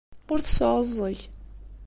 Ur tesɛuẓẓeg.